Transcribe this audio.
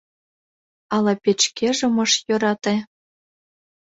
Ала печкежым ыш йӧрате